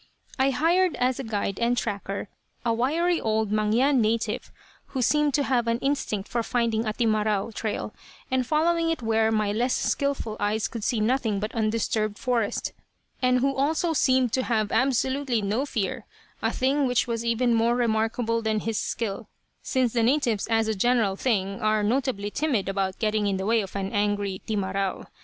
"I hired as a guide and tracker, a wiry old Mangyan native who seemed to have an instinct for finding a 'timarau' trail and following it where my less skillful eyes could see nothing but undisturbed forest, and who also seemed to have absolutely no fear, a thing which was even more remarkable than his skill, since the natives as a general thing are notably timid about getting in the way of an angry 'timarau.'